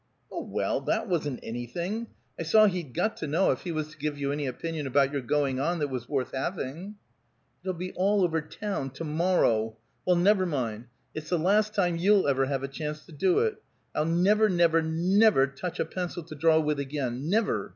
"Oh, well, that wasn't anything! I saw he'd got to know if he was to give any opinion about your going on that was worth having." "It'll be all over town, to morrow. Well, never mind! It's the last time you'll ever have a chance to do it. I'll never, never, never touch a pencil to draw with again! Never!